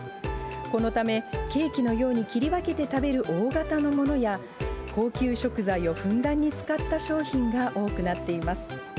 このため、ケーキのように切り分けて食べる大型のものや、高級食材をふんだんに使った商品が多くなっています。